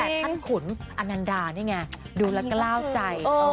ตั้งแต่ท่านขุนอันนานดาเนี่ยไงดูแล้วก็เล่าใจ